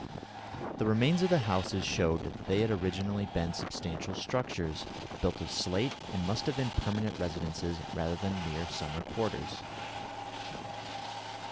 The remains of the houses showed that they had originally been substantial structures, built of slate, and must have been permanent residences rather than mere summer quarters.